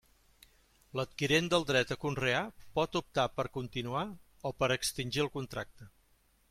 L'adquirent del dret a conrear pot optar per continuar o per extingir el contracte.